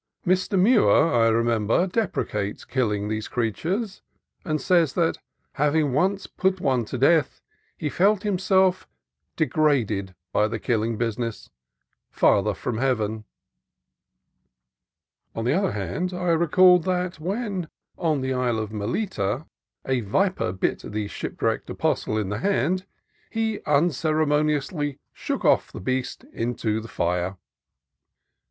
Mr. Muir, I remember, deprecates killing these creatures, and says that, having once put one to death, he felt himself "degraded by the killing business, farther from heaven." On the other hand, I recalled that when, on the island called Melita, a viper bit the shipwrecked apostle in the hand, he un ceremoniously " shook off the beast into the fire."